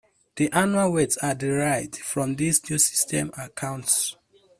The annual weights are derived from this new system accounts.